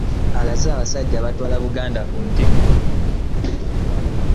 Alaze abasajja abatwala Buganda ku ntikko.